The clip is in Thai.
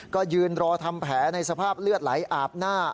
ก็ยืนรอทำแผลในสภาพเลือดไหลอาบหน้า